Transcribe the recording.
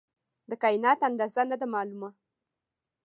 د کائنات اندازه نه ده معلومه.